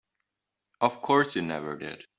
Of course you never did.